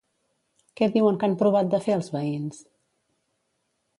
Què diuen que han provat de fer els veïns?